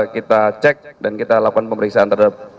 kita cek dan kita lakukan pemeriksaan terhadap